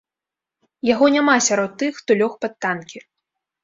Яго няма сярод тых, хто лёг пад танкі.